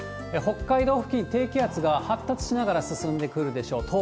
北海道付近、低気圧は発達しながら進んでくるでしょう。